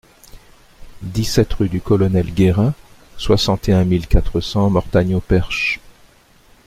dix-sept rue du Colonel Guérin, soixante et un mille quatre cents Mortagne-au-Perche